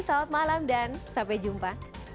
selamat malam dan sampai jumpa